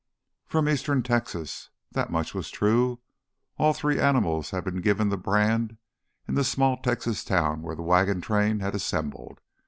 "From Eastern ... Texas—" That much was true. All three animals had been given the brand in the small Texas town where the wagon train had assembled.